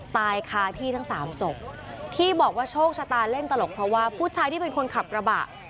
ตายคาที่ทั้งสามศพที่บอกว่าโชคชะตาเล่นตลกเพราะว่าผู้ชายที่เป็นคนขับกระบะ